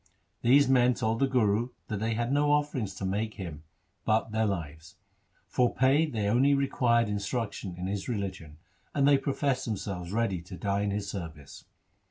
These men told the Guru that they had no offerings to make him but their lives ; for pay they only required instruction in his religion ; and they professed themselves ready to die in his service.